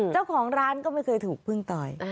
เจ้าของร้านก็ไม่เคยถูกพึ่งต่อย